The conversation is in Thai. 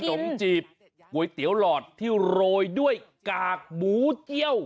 มจีบก๋วยเตี๋ยวหลอดที่โรยด้วยกากหมูเจี้ยว